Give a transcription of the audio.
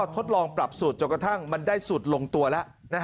ทดลองปรับสูตรจนกระทั่งมันได้สูตรลงตัวแล้ว